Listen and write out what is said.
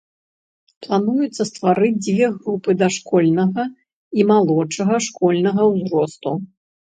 Плануецца стварыць дзве групы дашкольнага і малодшага школьнага ўзросту.